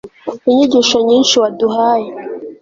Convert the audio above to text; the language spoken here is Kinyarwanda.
inyigisho nyinshi waduhaye